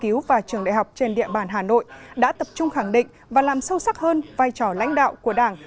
nghiên cứu và trường đại học trên địa bàn hà nội đã tập trung khẳng định và làm sâu sắc hơn vai trò lãnh đạo của đảng